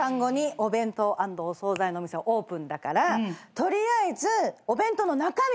お弁当アンドお総菜のお店オープンだから取りあえずお弁当の中身を考えないと。